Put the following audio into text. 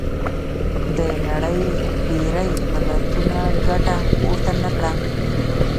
د نړۍ ډېری ملتونو ګټه پورته نه کړه.